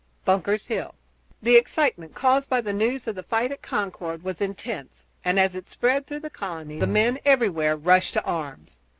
BUNKER'S HILL. The excitement caused by the news of the fight at Concord was intense and, as it spread through the colonies, the men everywhere rushed to arms.